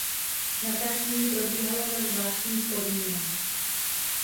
Natáčení probíhalo za zvláštních podmínek.